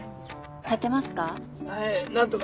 立てますか？